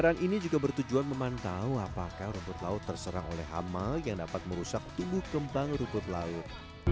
kebakaran ini juga bertujuan memantau apakah rumput laut terserang oleh amal yang dapat merusak tumbuh kembang rumput laut